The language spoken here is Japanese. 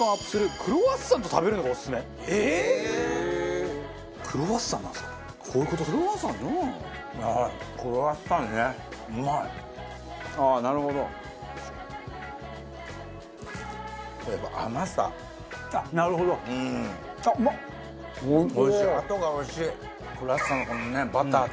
クロワッサンのこのねバターと。